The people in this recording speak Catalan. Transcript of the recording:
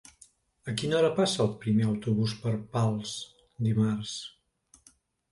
A quina hora passa el primer autobús per Pals dimarts?